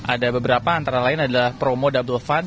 ada beberapa antara lain adalah promo double fund